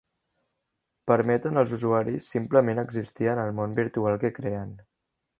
Permeten als usuaris simplement existir en el món virtual que creen.